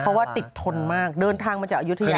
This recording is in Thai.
เพราะว่าติดทนมากเดินทางมาจากอายุทยา